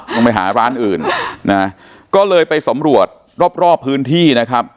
ต้องไปหาร้านอื่นนะก็เลยไปสำรวจรอบรอบพื้นที่นะครับ